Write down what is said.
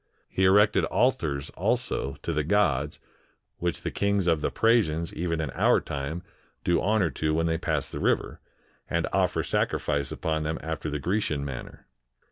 He erected altars, also, to the gods, which the kings of the Praesians even in our time do honor to when they pass the river, and offer sac rifice upon them after the Grecian manner.